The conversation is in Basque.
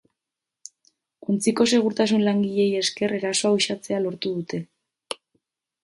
Ontziko segurtasun-langileei esker erasoa uxatzea lortu dute.